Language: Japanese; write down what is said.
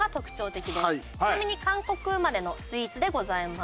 ちなみに韓国生まれのスイーツでございます。